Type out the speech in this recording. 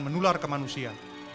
menular ke manusia